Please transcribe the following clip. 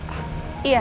jadi jadi tamu